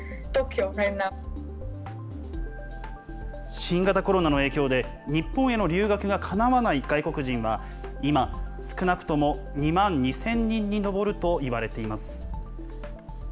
新型コロナの影響で、日本への留学がかなわない外国人は今、少なくとも２万２０００人に上るといわれています。